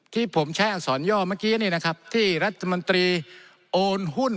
ที่ผมแช่อักษรย่อเมื่อกี้นี่นะครับที่รัฐมนตรีโอนหุ้น